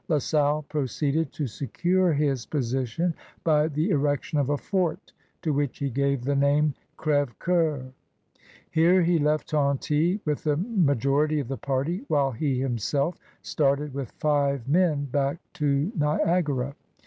La Salle proceeded to secure his position by the erection of a fort to which he gave the name Crfevecoeur. Here he left Tonty with the major ity of the party, while he himself started with five men back to Niagara.